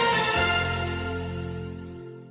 สวัสดีค่ะ